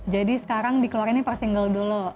jadi sekarang dikeluarin per single dulu